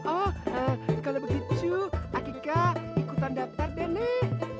oh kalau begitu akika ikutan daftar deh nih